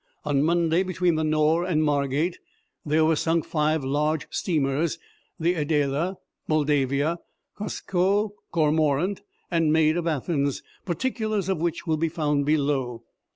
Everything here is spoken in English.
On Monday, between the Nore and Margate, there were sunk five large steamers, the Adela, Moldavia, Cusco, Cormorant, and Maid of Athens, particulars of which will be found below.